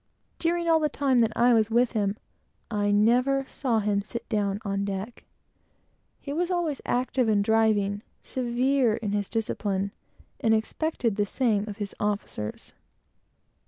During all the time that I was with him, I never saw him sit down on deck. He was always active and driving; severe in his discipline, and expected the same of his officers.